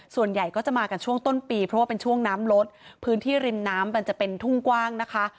ส่วนใหญ่ก็จะมากันช่วงต้นปีเพราะว่าเป็นช่วงน้ำลดพื้นที่ริมน้ำมันจะเป็นทุ่งกว้างนะคะ